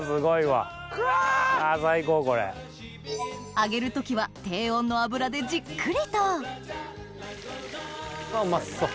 揚げる時は低温の油でじっくりとうまそっ！